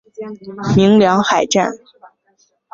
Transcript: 鸣梁海战